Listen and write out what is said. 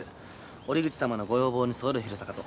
折口様のご要望に沿える広さかと。